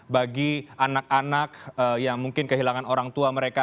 bagi anak anak yang mungkin kehilangan orang tua mereka